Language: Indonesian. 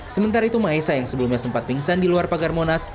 sementara itu maesa yang sebelumnya sempat pingsan di luar pagar monas